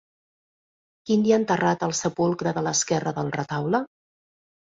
Quin hi ha enterrat al sepulcre de l'esquerra del retaule?